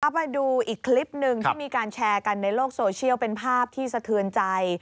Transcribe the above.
ไปดูอีกคลิปหนึ่งที่มีการแชร์กันในโลกโซเชียลเป็นภาพที่สะเทือนใจ